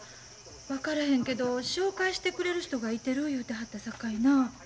分からへんけど紹介してくれる人がいてる言うてはったさかいな。